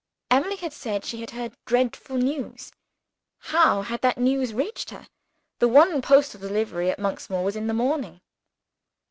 Emily had said she had "heard dreadful news" how had that news reached her? The one postal delivery at Monksmoor was in the morning.